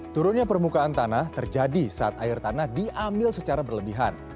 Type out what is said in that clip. turunnya permukaan tanah terjadi saat air tanah diambil secara berlebihan